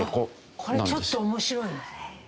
これちょっと面白い。